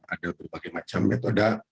ada berbagai macam metode